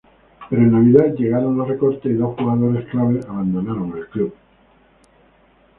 Pero en Navidad llegaron los recortes y dos jugadores clave abandonaron el club.